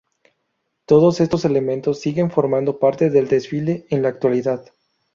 Todos estos elementos siguen formando parte del desfile en la actualidad.